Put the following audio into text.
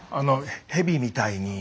ヘビみたいに。